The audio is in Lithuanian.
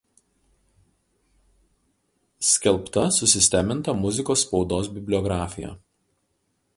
Skelbta susisteminta muzikos spaudos bibliografija.